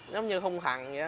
giống như hung thẳng vậy đó